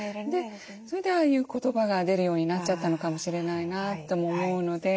それでああいう言葉が出るようになっちゃったのかもしれないなとも思うので。